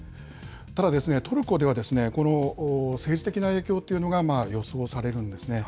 ただ、トルコではこの政治的な影響というのが予想されるんですね。